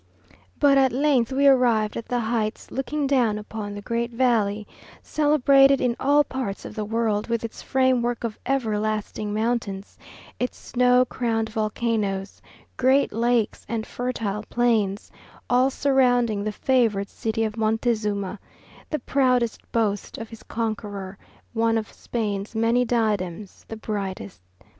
But at length we arrived at the heights looking down upon the great valley, celebrated in all parts of the world, with its framework of everlasting mountains, its snow crowned volcanoes, great lakes, and fertile plains, all surrounding the favoured city of Montezuma, the proudest boast of his conqueror, once of Spain's many diadems the brightest.